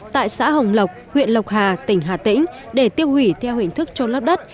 tại xã hồng lộc huyện lộc hà tỉnh hà tĩnh để tiêu hủy theo hình thức trôn lấp đất